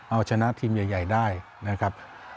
เอาชนะทีมใหญ่ได้นะครับ